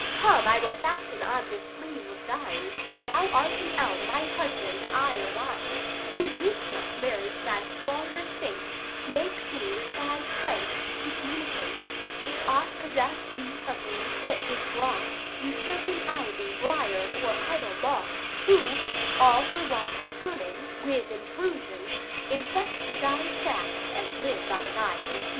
Come, I will fasten on this sleeve of thine: Thou art an elm, my husband, I a vine, Whose weakness, married to thy stronger state, Makes me with thy strength to communicate: 175 If aught possess thee from me, it is dross, Usurping ivy, brier, or idle moss; Who, all for want of pruning, with intrusion Infect thy sap, and live on thy confusion.